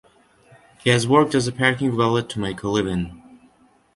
He has worked as a parking valet to make a living.